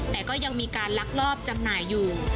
แต่ก็ยังมีการลักลอบจำหน่ายอยู่